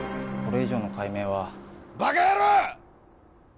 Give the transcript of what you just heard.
これ以上の解明はバカ野郎！